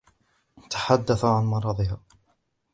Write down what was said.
تحدّث عن مرضها.